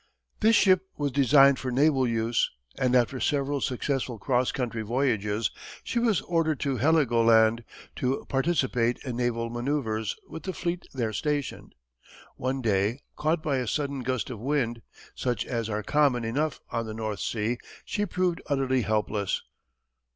This ship was designed for naval use and after several successful cross country voyages she was ordered to Heligoland, to participate in naval manoeuvres with the fleet there stationed. One day, caught by a sudden gust of wind such as are common enough on the North Sea, she proved utterly helpless.